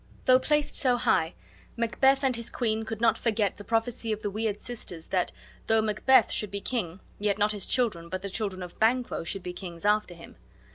Though placed so high, Macbeth and his queen could not forget the prophecy of the weird sisters that, though Macbeth should be king, yet not his children, but the children of Banquo, should be kings after him.